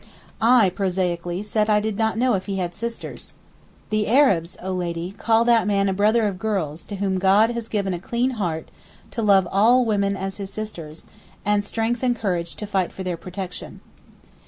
I prosaically said I did not know if he had sisters. 'The Arabs, O lady, call that man a "brother of girls" to whom God has given a clean heart to love all women as his sisters, and strength and courage to fight for their protection.